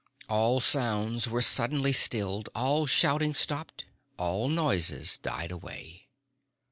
All sounds were suddenly stilled, all shouting stopped, all noises died away.